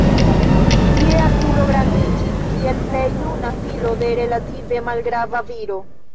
Tie Arturo grandiĝis kiel plej juna filo de relative malgrava viro.